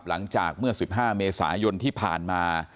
หลังจากเมื่อ๑๕เมษายนที่ผ่านมา